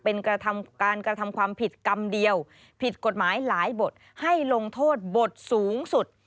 เป็นการกระทำความผิดกรรมเดียวผิดกฎหมายหลายบทให้ลงโทษบทสูงสุด